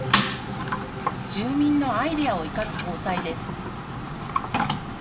住民のアイデアを生かす防災です。